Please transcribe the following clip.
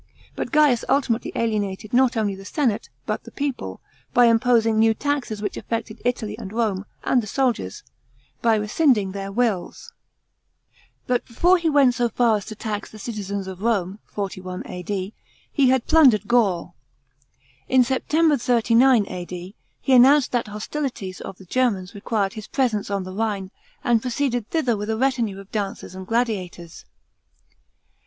But Ga'us ultimately alienated not only the senate, but the people, by imposing new taxes which affected Italy and Rome, and the soldiers, by rescind ing tl>eir wills. § 10. But before he went so far as to tax the citizens of Rome (41 A.D.), he had plundered Gaul. In September, 39 A.D , he announced that hostilities of the Germans required his presence on the Rhine, and proceeded thither with a retinue of dancers and gladiators.